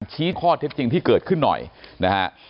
ชี้ข้อเท็จจริงที่เกิดขึ้นหน่อยนะฮะ